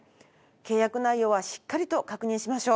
契約内容はしっかりと確認しましょう。